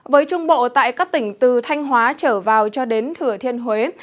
với trung bộ tại các tỉnh từ thanh hóa trở vào cho đến thừa thiên huế